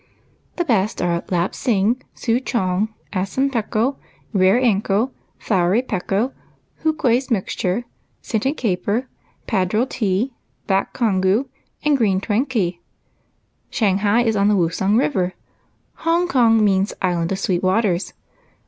The best are Lapsing Souchong, Assam Pekoe, rare Ankoe, Flowery Pekoe, 92 EIGHT COUSINS. Howqua's mixture, Scented Caper, Padral tea, blaciv Congou, and green Twankey. Shanghai is on the Woosung River. Hong Kong means ' Island of sweet waters.'